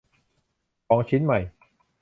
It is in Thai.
ของชิ้นใหม่